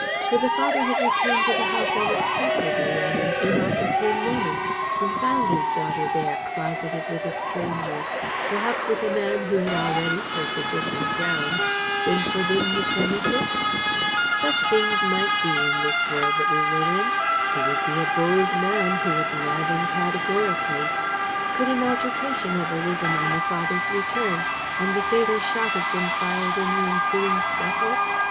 Could the father have returned to the house unexpectedly, at an inopportune moment, and found his daughter there, closeted with a stranger perhaps with a man who had already, for sufficient grounds, been forbidden the premises? Such things might be, in this world that we live in: he would be a bold man who would deny them categorically. Could an altercation have arisen on the father's return, and the fatal shot have been fired in the ensuing scuffle?